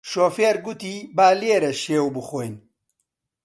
شۆفێر گوتی با لێرە شێو بخۆین